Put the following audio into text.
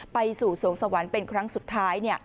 ไปสู่สวงสวรรค์เป็นครั้งสุดท้าย